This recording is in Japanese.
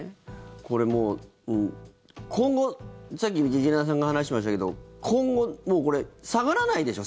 これ、もう今後さっき劇団さんが話してましたけど今後、もう下がらないでしょ？